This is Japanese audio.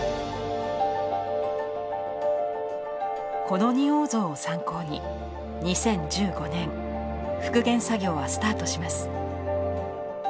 この仁王像を参考に２０１５年復元作業はスタートします。